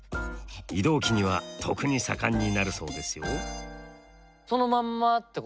異動期には特に盛んになるそうですよ。